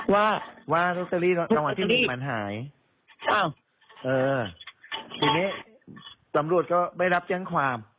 ว่าว่าลอตเตอรี่รางวัลที่หนึ่งมันหายอ้าวเออทีนี้ตำรวจก็ไม่รับแจ้งความ